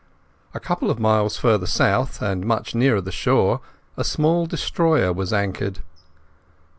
A couple of miles farther south and much nearer the shore a small destroyer was anchored.